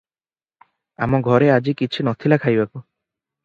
“-ଆମ ଘରେ ଆଜି କିଛି ନଥିଲା ଖାଇବାକୁ ।